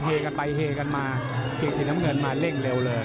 เฮกันไปเฮกันมาเกงสีน้ำเงินมาเร่งเร็วเลย